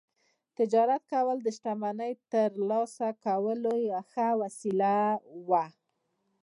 تجارت کول د شتمنۍ ترلاسه کولو یوه ښه وسیله وه